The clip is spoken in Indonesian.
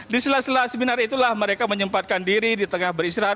di sela sela seminar itulah mereka menyempatkan diri di tengah beristirahat